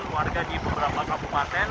warga di beberapa kabupaten